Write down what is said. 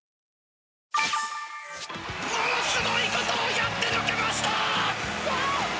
ものすごいことをやってのけました！